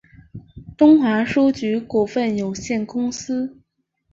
东华书局股份有限公司